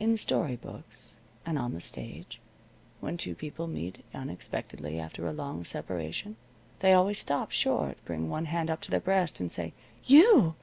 In story books, and on the stage, when two people meet unexpectedly after a long separation they always stop short, bring one hand up to their breast, and say: "You!"